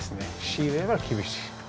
仕入れは厳しい。